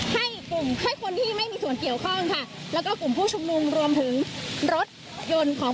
ให้กลุ่มให้คนที่ไม่มีส่วนเกี่ยวข้องค่ะแล้วก็กลุ่มผู้ชุมนุมรวมถึงรถยนต์ของ